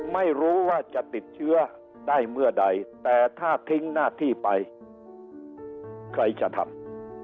ไม่รู้ว่าจะติดเชื้อได้เมื่อใดแต่ถ้าทิ้งหน้าที่ไปใครจะทำ